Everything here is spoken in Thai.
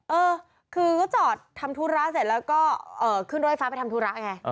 เออคือก็จอดทำธุระเสร็จแล้วก็ขึ้นรถไฟฟ้าไปทำธุระไง